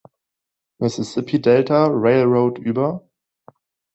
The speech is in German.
Mississippi Delta Railroad über.